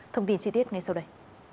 thông tin chi tiết ngay sau đây